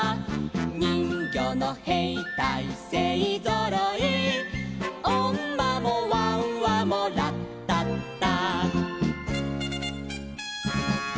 「にんぎょうのへいたいせいぞろい」「おんまもわんわもラッタッタ」